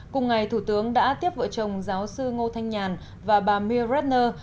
cùng ngày thủ tướng đã tiếp vợ chồng giáo sư ngô thanh nhàn và bà myr redner